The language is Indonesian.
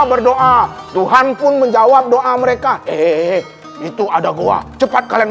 berdoa tuhan pun menjawab doa mereka eh itu ada goa cepat kalian